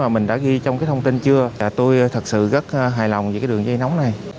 mình đã ghi trong cái thông tin chưa tôi thật sự rất hài lòng về cái đường dây nóng này